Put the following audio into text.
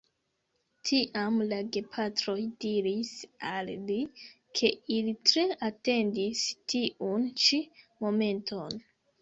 Tiam la gepatroj diris al li, ke ili tre atendis tiun ĉi momenton.